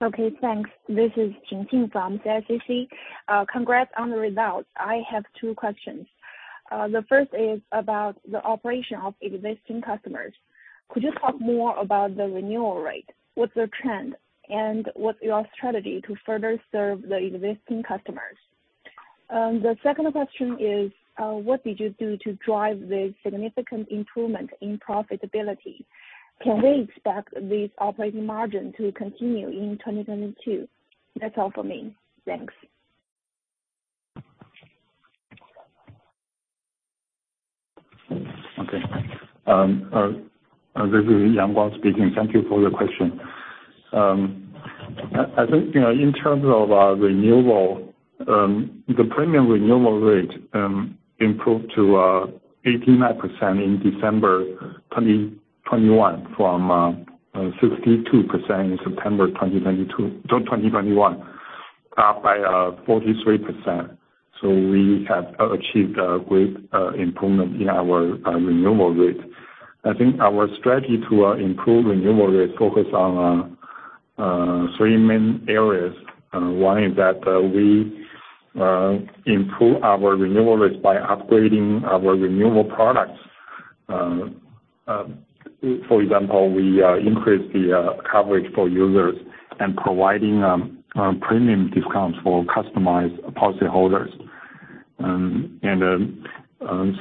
Okay, thanks. This is [inaudible] from CICC. Congrats on the results. I have two questions. The first is about the operation of existing customers. Could you talk more about the renewal rate? What's the trend, and what's your strategy to further serve the existing customers? The second question is, what did you do to drive the significant improvement in profitability? Can we expect this operating margin to continue in 2022? That's all for me. Thanks. Okay. This is Yang Guang speaking. Thank you for the question. I think, you know, in terms of renewal, the premium renewal rate improved to 89% in December 2021 from 62% in September 2021 by 43%. We have achieved a great improvement in our renewal rate. I think our strategy to improve renewal rate focus on three main areas. One is that we improve our renewal rates by upgrading our renewal products. For example, we increase the coverage for users and providing premium discounts for customized policyholders.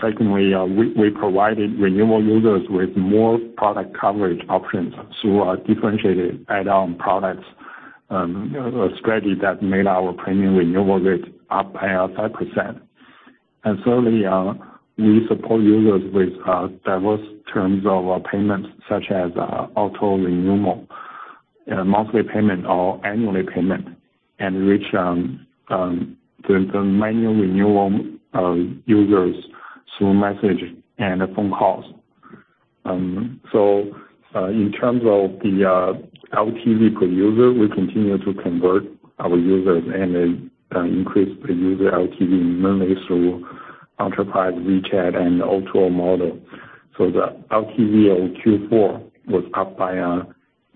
Secondly, we provided renewal users with more product coverage options through our differentiated add-on products, a strategy that made our premium renewal rate up by 5%. Thirdly, we support users with diverse terms of payment, such as auto-renewal, monthly payment or annual payment, and we reach the manual renewal users through message and phone calls. In terms of the LTV per user, we continue to convert our users and increase per user LTV mainly through Enterprise WeChat and auto model. The LTV of Q4 was up by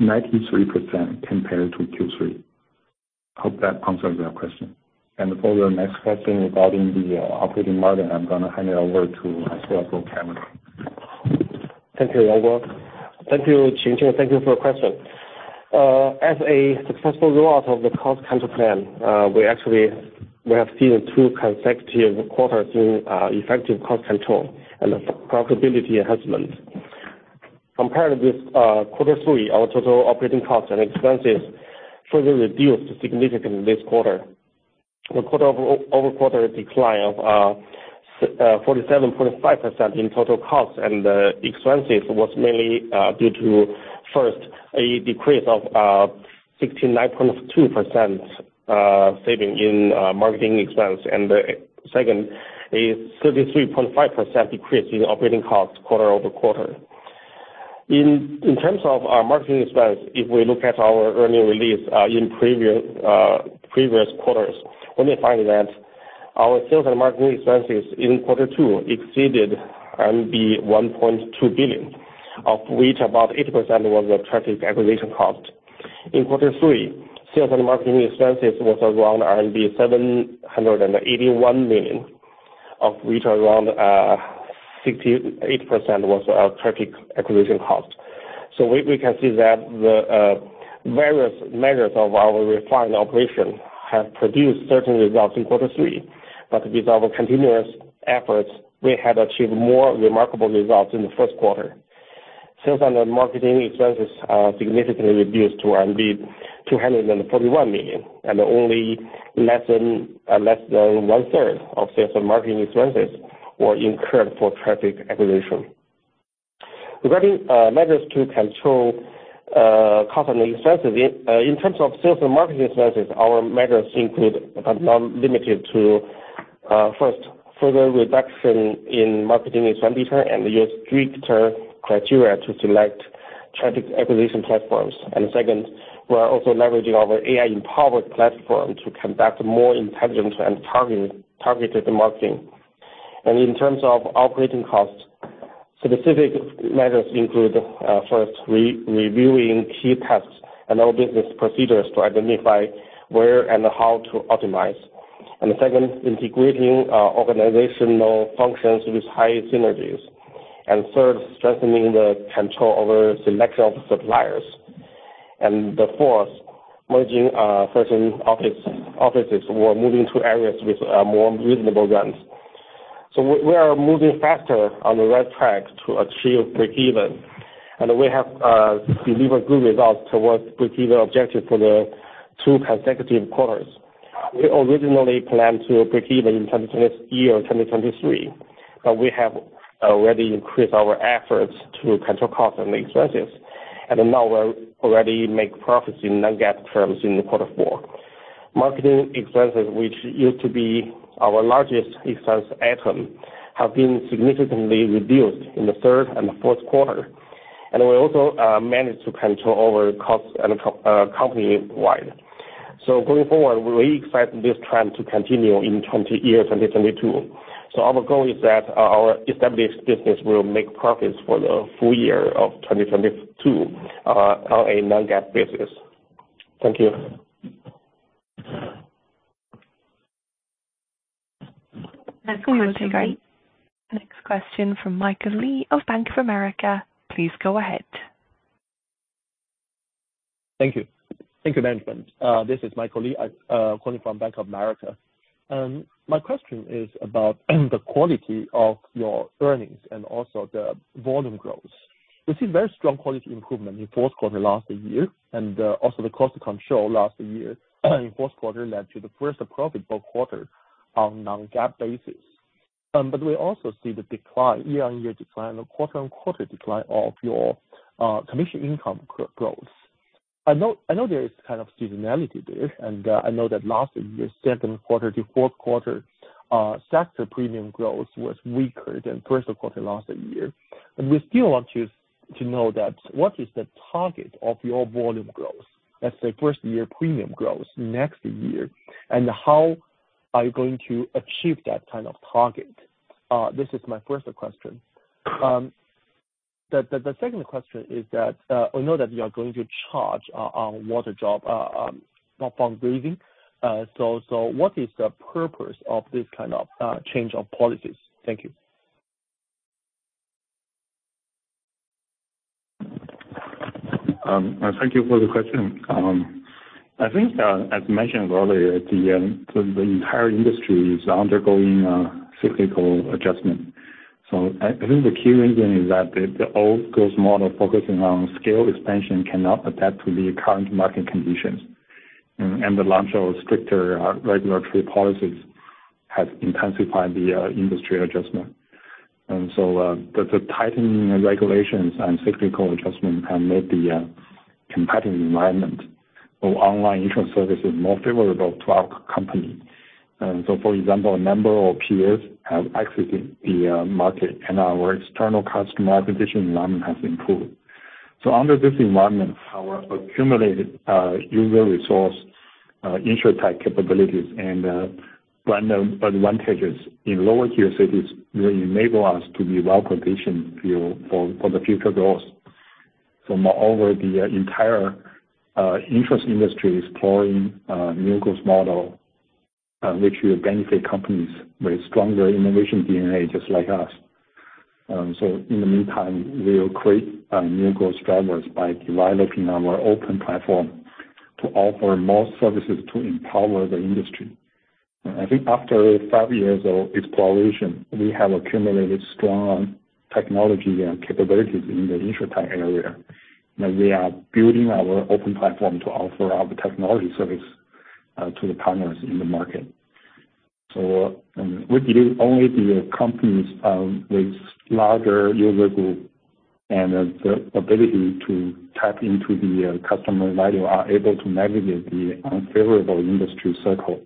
93% compared to Q3. Hope that answers your question. For the next question regarding the operating margin, I'm gonna hand it over to Kevin Shi. Thank you, Yang Guang. Thank you. [inaudible] Thank you for your question. As a successful rollout of the cost control plan, we actually have seen two consecutive quarters in effective cost control and profitability enhancement. Compared with Q3, our total operating costs and expenses further reduced significantly this quarter. The quarter-over-quarter decline of 47.5% in total costs and expenses was mainly due to, first, a decrease of 69.2% saving in marketing expense. Second is 33.5% decrease in operating costs quarter-over-quarter. In terms of our marketing expense, if we look at our earnings release, in previous quarters, we may find that our sales and marketing expenses in Q2 exceeded 1.2 billion, of which about 80% was user acquisition cost. In Q3, sales and marketing expenses was around RMB 781 million. Of which around 60%-80% was our traffic acquisition cost. We can see that the various measures of our refined operation have produced certain results in Q3. With our continuous efforts, we have achieved more remarkable results in the Q1. Sales and marketing expenses are significantly reduced to 241 million, and only less than one-third of sales and marketing expenses were incurred for traffic acquisition. Regarding measures to control company expenses. In terms of sales and marketing expenses, our measures include, but not limited to, first, further reduction in marketing spending and use stricter criteria to select traffic acquisition platforms. Second, we are also leveraging our AI-empowered platform to conduct more intelligent and targeted marketing. In terms of operating costs, specific measures include, first, re-reviewing key tasks and our business procedures to identify where and how to optimize. Second, integrating organizational functions with high synergies. Third, strengthening the control over selection of suppliers. Fourth, merging certain offices, or moving to areas with more reasonable rents. We are moving faster on the right track to achieve breakeven, and we have delivered good results towards breakeven objective for the two consecutive quarters. We originally planned to breakeven in 2023, but we have already increased our efforts to control cost and expenses. Now we're already making profits in non-GAAP terms in Q4. Marketing expenses, which used to be our largest expense item, have been significantly reduced in the third and the Q4. We also managed to control over costs and company-wide. Going forward, we're really excited this trend to continue in current year, 2022. Our goal is that our established business will make profits for the full year of 2022 on a non-GAAP basis. Thank you. Next question from Michael Lee of Bank of America. Please go ahead. Thank you. Thank you, management. This is Michael Lee calling from Bank of America. My question is about the quality of your earnings and also the volume growth. We see very strong quality improvement in Q4 last year, and also the cost control last year in Q4 led to the first profitable quarter on non-GAAP basis. But we also see the decline, year-on-year decline and quarter-on-quarter decline of your commission income growth. I know there is kind of seasonality there, and I know that last year, Q2 to Q4, sector premium growth was weaker than Q1 last year. We still want to know what is the target of your volume growth, let's say first-year premium growth next year, and how are you going to achieve that kind of target? This is my first question. The second question is that I know that you are going to charge on Waterdrop upon delivery. What is the purpose of this kind of change of policies? Thank you. Thank you for the question. I think, as mentioned earlier, the entire industry is undergoing a cyclical adjustment. I think the key reason is that the old growth model focusing on scale expansion cannot adapt to the current market conditions. The launch of stricter regulatory policies has intensified the industry adjustment. The tightening regulations and cyclical adjustment have made the competitive environment of online insurance services more favorable to our company. For example, a number of peers have exited the market and our external customer acquisition environment has improved. Under this environment, our accumulated user resource, InsurTech capabilities and brand advantages in lower tier cities will enable us to be well-positioned for the future growth. Moreover, the entire insurance industry is exploring a new growth model, which will benefit companies with stronger innovation DNA just like us. In the meantime, we'll create new growth drivers by developing our open platform to offer more services to empower the industry. I think after five years of exploration, we have accumulated strong technology and capabilities in the InsurTech area. Now we are building our open platform to offer our technology service to the partners in the market. We believe only the companies with larger user group and the ability to tap into the customer value are able to navigate the unfavorable industry cycle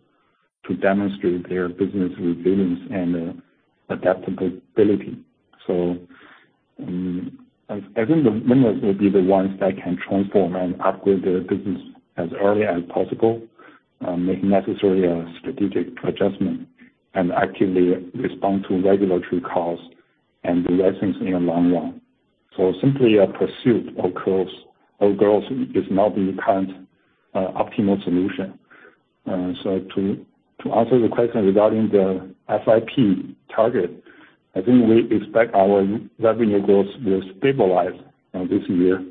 to demonstrate their business resilience and adaptability. I think the winners will be the ones that can transform and upgrade their business as early as possible, make necessary strategic adjustment and actively respond to regulatory calls and licensing in the long run. Simply a pursuit of growth is not the current optimal solution. To answer the question regarding the FYP target, I think we expect our revenue growth will stabilize this year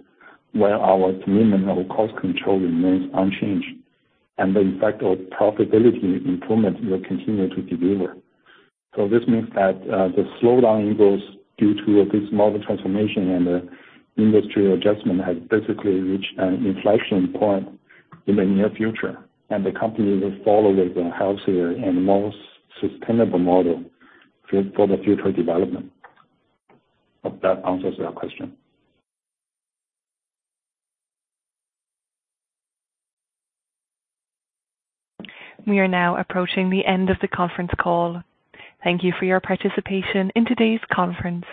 when our commitment of cost control remains unchanged. The effect of profitability improvement will continue to deliver. This means that the slowdown in growth due to this model transformation and the industry adjustment has basically reached an inflection point in the near future, and the company will follow the healthier and most sustainable model for the future development. Hope that answers your question. We are now approaching the end of the conference call. Thank you for your participation in today's conference.